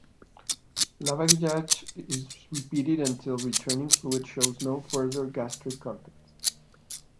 Lavage is repeated until the returning fluid shows no further gastric contents.